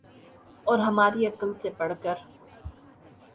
اور ہماری عقل سے بڑھ کر